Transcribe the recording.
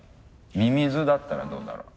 ミミズだったらどうだろう？